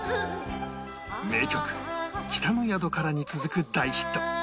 名曲『北の宿から』に続く大ヒット